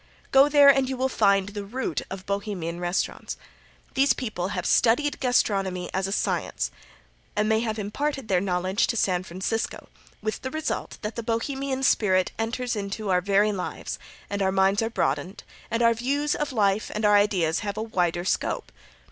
Go there and you will find the root of Bohemian restaurants. These people have studied gastronomy as a science, and they have imparted their knowledge to San Francisco, with the result that the Bohemian spirit enters into our very lives, and our minds are broadened, and our views of life and our ideas have a wider scope.